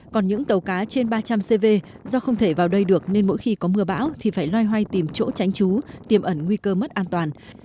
còn những tàu cá trên ba trăm linh cv do không thể vào đây được nên mỗi khi có mưa bão thì phải loay hoay tìm chỗ tránh trú tiềm ẩn nguy cơ mất an toàn